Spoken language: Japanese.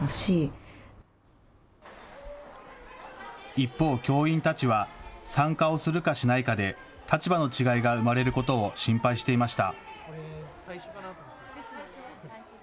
一方、教員たちは参加をするかしないかで、立場の違いが生まれることを心配していました。